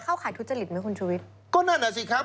มันไม่เข้าขายทุจริตไหมคุณชูวิทย์ก็นั่นแหละสิครับ